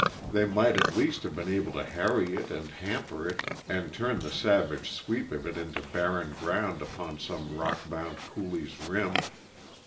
They might at least have been able to harry it and hamper it and turn the savage sweep of it into barren ground upon some rock bound coulee's rim.